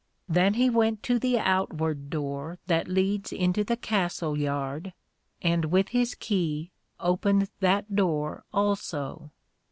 Then he went to the outward door that leads into the Castle yard, and with his Key opened that door also.